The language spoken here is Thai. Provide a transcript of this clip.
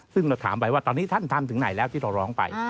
ซึ่งเราถามไปว่าตอนนี้ท่านทำถึงไหนแล้วที่เราร้องไป